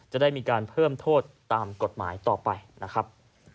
จะได้มีการเพิ่มโทษตามกฎหมายต่อไปนะครับ